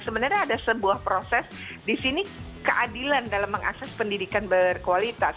sebenarnya ada sebuah proses di sini keadilan dalam mengakses pendidikan berkualitas